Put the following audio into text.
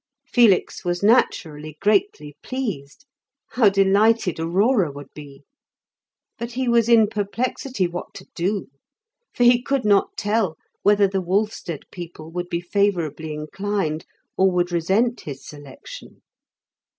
Felix was naturally greatly pleased; how delighted Aurora would be! but he was in perplexity what to do, for he could not tell whether the Wolfstead people would be favourably inclined or would resent his selection.